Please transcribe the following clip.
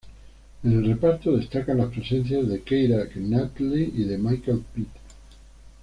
En el reparto destacan las presencias de Keira Knightley y de Michael Pitt.